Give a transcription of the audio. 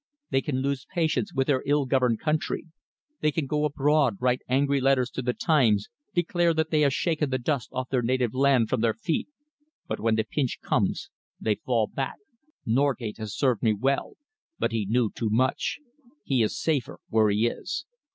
They can lose patience with their ill governed country. They can go abroad, write angry letters to The Times, declare that they have shaken the dust of their native land from their feet. But when the pinch comes, they fall back. Norgate has served me well, but he knew too much. He is safer where he is."